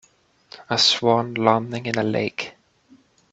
A swan landing in a lake.